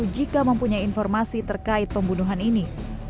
jika mempunyai informasi terkait pembunuhan ini